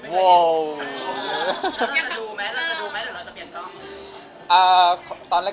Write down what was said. แล้วตอนนี้เราจะดูหรือเรากลับไปเปลี่ยนช่อง